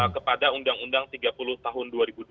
kepada undang undang tiga puluh tahun dua ribu dua